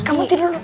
kamu tidur dulu